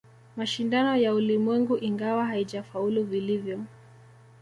Mashindano ya Ulimwengu ingawa haijafaulu vilivyo